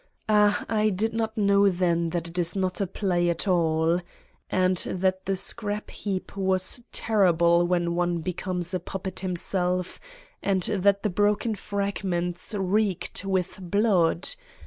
Ah, I did not know then that it is not a play at all. And that the scrap heap was terrible when one becomes a puppet himself and that the broken fragments reeked with blood.